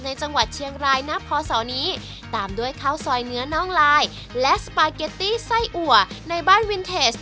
ในจังหวัดเชียงรายณพศนี้